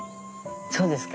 そうですか。